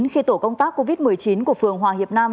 khi tổ công tác covid một mươi chín của phường hòa hiệp nam